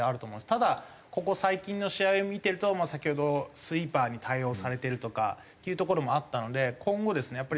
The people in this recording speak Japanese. ただここ最近の試合を見てると先ほどスイーパーに対応されてるとかっていうところもあったので今後ですね